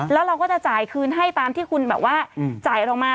แล้วเราก็จะจ่ายคืนให้ตามที่คุณแบบว่าจ่ายออกมา